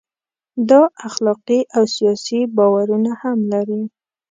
دا اخلاقي او سیاسي باورونه هم لري.